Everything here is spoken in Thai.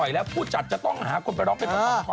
น้องคุณหนูใครวะ